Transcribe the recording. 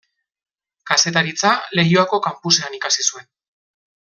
Kazetaritza Leioako kanpusean ikasi zuen.